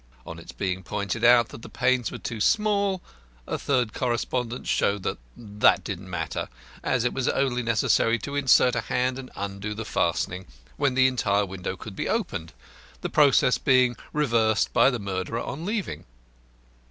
On its being pointed out that the panes were too small, a third correspondent showed that that didn't matter, as it was only necessary to insert the hand and undo the fastening, when the entire window could be opened, the process being reversed by the murderer on leaving.